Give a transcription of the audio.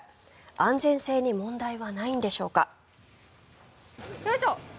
安全性に問題はないんでしょうか。